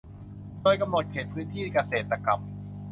โดยกำหนดเขตพื้นที่เกษตรกรรม